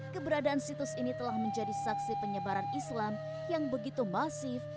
keberadaan situs ini telah menjadi saksi penyebaran islam yang begitu masif